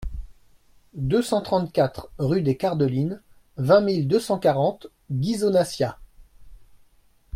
deux cent trente-quatre rue des Cardelines, vingt mille deux cent quarante Ghisonaccia